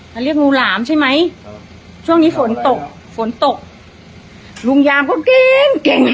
เขาเรียกงูหลามใช่ไหมช่วงนี้ฝนตกฝนตกลุงยามก็เก่งเก่ง